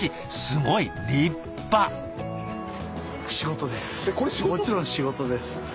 もちろん仕事です。